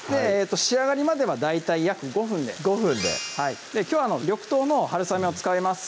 仕上がりまでは大体約５分で５分できょう緑豆のはるさめを使います